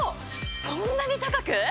そんなに高く？